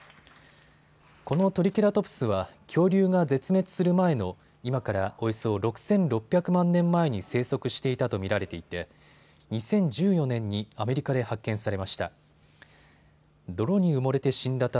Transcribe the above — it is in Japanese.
このトリケラトプスは恐竜が絶滅する前の今からおよそ６６００万年前に生息していたと見られていて２０１４年にアメリカで発見されました。